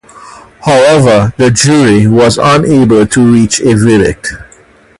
However, the jury was unable to reach a verdict.